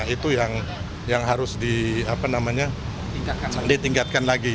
itu yang harus ditingkatkan lagi